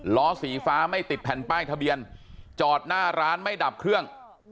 ล้อสีฟ้าไม่ติดแผ่นป้ายทะเบียนจอดหน้าร้านไม่ดับเครื่อง